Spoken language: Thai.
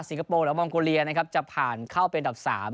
สิงคโปร์และมองโกเรียนะครับจะผ่านเข้าเป็นอันดับ๓